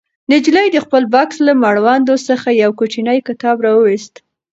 نجلۍ د خپل بکس له مړوند څخه یو کوچنی کتاب راوویست.